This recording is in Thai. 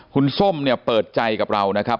คุณส้มเนี่ยเปิดใจกับเรานะครับ